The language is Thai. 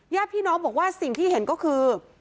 ญาติพี่น้องบอกว่าสิ่งที่เห็นก็คือ